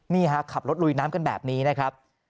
นี่ฮะขับรถลุยน้ำกันแบบนี้นะครับ